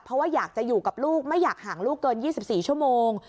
เพราะว่าอยากจะอยู่กับลูกไม่อยากห่างลูกเกิน๒๔ชั่วโมง